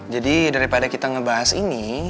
jadi daripada kita ngebahas ini